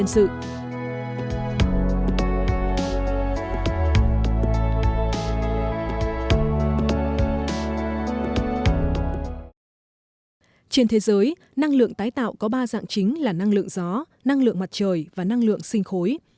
năng lượng gió năng lượng mặt trời và năng lượng sinh khối